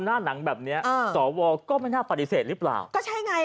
หน้าหนังแบบเนี้ยอ่าสวก็ไม่น่าปฏิเสธหรือเปล่าก็ใช่ไง